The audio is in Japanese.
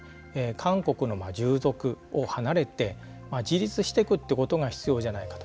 韓国の従属を離れて自立していくということが必要じゃないかと。